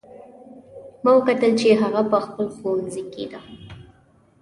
ما وکتل چې هغه په خپل ښوونځي کې ده